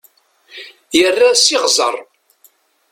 Yerra s iɣẓer.